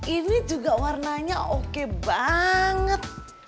ini juga warnanya oke banget